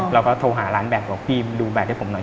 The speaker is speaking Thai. เราก็โทรหาร้านแบตบอกพี่ดูแบตให้ผมหน่อย